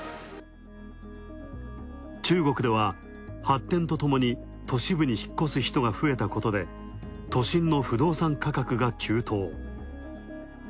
中国では発展とともに都市部に引っ越す人が増えたことで、都心の不動産価格が急騰。